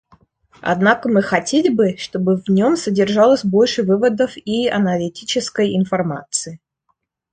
Однако мы хотели бы, чтобы в нем содержалось больше выводов и аналитической информации.